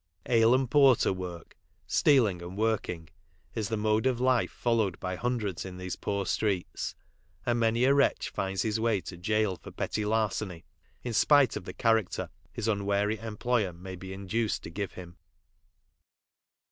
" Ale and porter " work, stealing and working, is the mode of life followed by hundreds in these poor streets, and many a wretch finds his way to gaol for petty larceny, in spite of the character his unwary employer may be induced to give him.